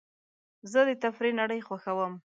زه د تفریح نړۍ خوښوم.